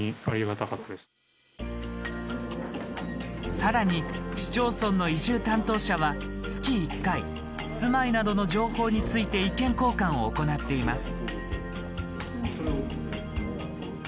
さらに市町村の移住担当者は月１回住まいなどの情報について意見交換を行っています。